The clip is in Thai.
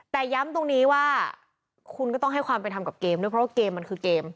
แต่ย้ำตรงนี้ว่าคุณก็ต้องให้ความเป็นธรรมกับเกมด้วยเพราะว่าเกมมันคือเกม